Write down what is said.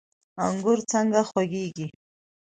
انګور څنګه خوږیږي؟